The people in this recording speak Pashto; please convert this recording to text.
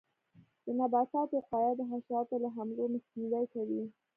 د نباتاتو وقایه د حشراتو له حملو مخنیوی کوي.